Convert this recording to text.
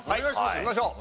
いきましょう。